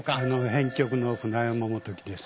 編曲の船山基紀です。